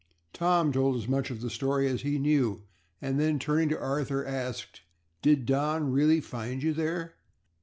Tom told as much of the story as he knew and then, turning to Arthur, asked, "Did Don really find you there?